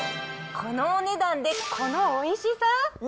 このお値段で、このおいしさ？